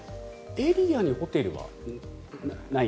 エリアにホテルはない。